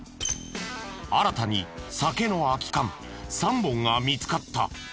新たに酒の空き缶３本が見つかった。